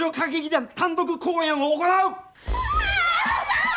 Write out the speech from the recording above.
単独公演を行う！